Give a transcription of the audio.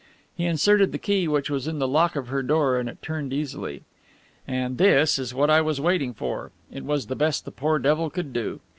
_" He inserted the key which was in the lock of her door and it turned easily. "And this is what I was waiting for it was the best the poor devil could do."